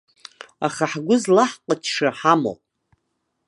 Аха ҳгәы злаҳҟычша ҳамоуп.